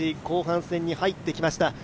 後半戦に入ってきました。